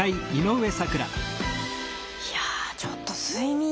いやちょっと睡眠。